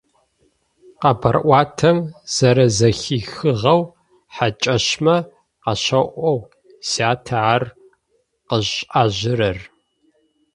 Къэбарӏуатэм зэрэзэхихыгъэу хьакӏэщмэ къащаӏоу сятэ ары къышӏэжьырэр.